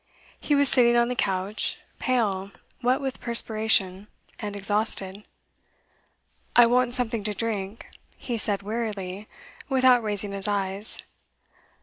He was sitting on the couch, pale, wet with perspiration, and exhausted. 'I want something to drink,' he said wearily, without raising his eyes.